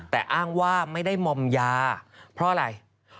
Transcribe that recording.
แต่อ้างว่าไม่ได้มอมยาเพราะอะไร